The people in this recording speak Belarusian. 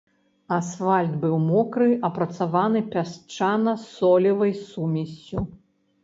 Асфальт быў мокры, апрацаваны пясчана-солевай сумессю.